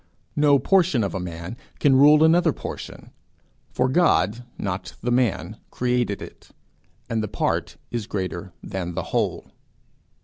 No portion of a man can rule another portion, for God, not the man, created it, and the part is greater than the whole.